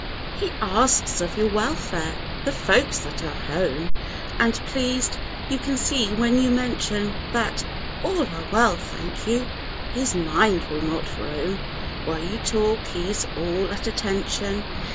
25 He asks of your welfare—the folks that are home; And pleased, you can see, when you mention That, "All are well, thank you!" His mind will not roam While you talk, he is all "at attention."